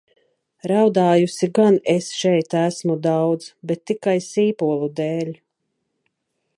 Raudājusi gan es šeit esmu daudz, bet tikai sīpolu dēļ.